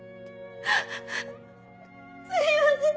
すみません！